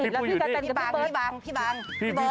พี่ปุ้ยอยู่นี่